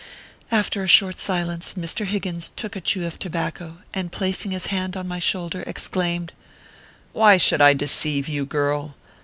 After a short silence, Mr. Higgins took a chew of tobacco, and placing his hand on my shoulder, ex claimed :" Why should I deceive you, girl